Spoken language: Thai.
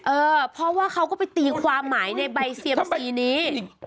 เออเพราะว่าเขาก็ไปตีความหมายในใบเซียมซีนี้